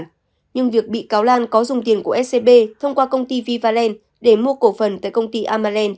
nhưng việc bị cáo lan có dùng tiền của scb thông qua công ty vivaland để mua cổ phần tại công ty amalend